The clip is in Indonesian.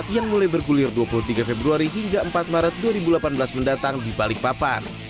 yang mulai bergulir dua puluh tiga februari hingga empat maret dua ribu delapan belas mendatang di balikpapan